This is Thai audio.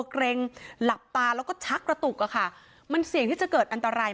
เกร็งหลับตาแล้วก็ชักกระตุกอะค่ะมันเสี่ยงที่จะเกิดอันตราย